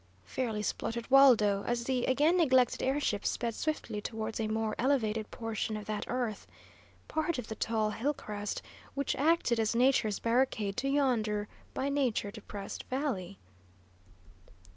fairly spluttered Waldo, as the again neglected air ship sped swiftly towards a more elevated portion of that earth, part of the tall hill crest which acted as nature's barricade to yonder by nature depressed valley.